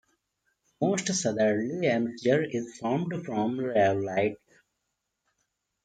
The most southerly, Emsger is formed from rhyolite.